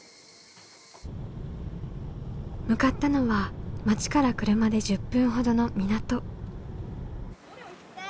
向かったのは町から車で１０分ほどの港。